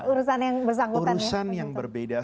urusan yang bersangkutan yang berbeda